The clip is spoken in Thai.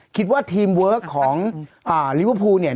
คิดว่าทีมเวิร์คของลิเวอร์พูลเนี่ย